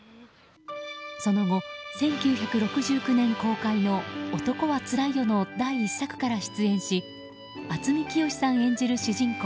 その後１９６９年公開の「男はつらいよ」の第１作から出演し渥美清さん演じる主人公